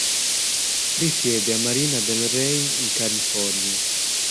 Risiede a Marina Del Rey in California.